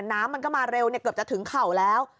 น้ำมันก็มาเร็วเกือบจะถึงเข่าแล้ว